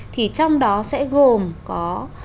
thì trong đó sẽ gồm có